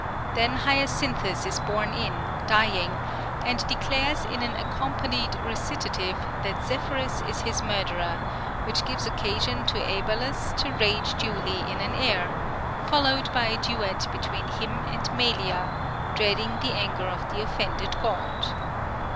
Then Hyacinthus is borne in dying, and declares in an accompanied recitative that Zephyrus is his murderer, which gives occasion to Æbalus to rage duly in an air, followed by a duet between him and Melia, dreading the anger of the offended god.